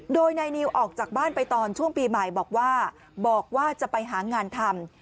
โดยนายนิวออกจากบ้านไปตอนช่วงปีใหม่บอกว่าบอกว่าจะไปหางานทำ